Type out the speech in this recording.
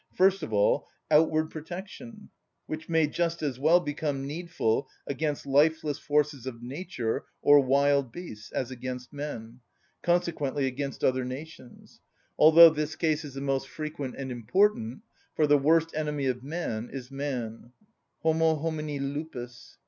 First of all, outward protection, which may just as well become needful against lifeless forces of nature or wild beasts as against men, consequently against other nations; although this case is the most frequent and important, for the worst enemy of man is man: homo homini lupus.